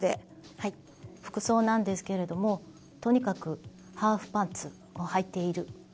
はい服装なんですけれどもとにかくハーフパンツをはいている。